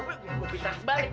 gua sepiteng sebalik